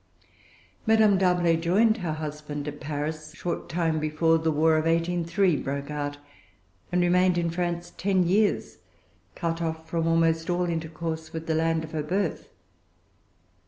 Madame D'Arblay joined her husband at Paris, a short time before the war of 1803 broke out, and remained in France ten years, cut off from almost all intercourse with the land of her birth.